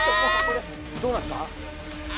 どうなった？